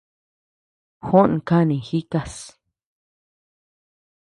Juó kanii jikás.